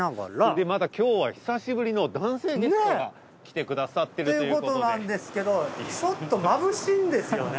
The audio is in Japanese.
でまた今日は久しぶりの男性ゲストが来てくださってる。ということなんですけどちょっとまぶしいんですよね。